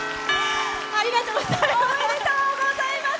ありがとうございます。